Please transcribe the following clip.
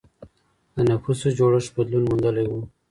د نفوسو جوړښت بدلون موندلی و.